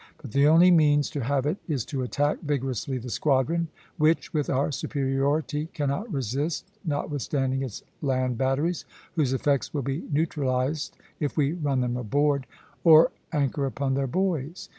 But the only means to have it is to attack vigorously the squadron, which, with our superiority, cannot resist, notwithstanding its land batteries, whose effects will be neutralized if we run them aboard, or anchor upon their buoys.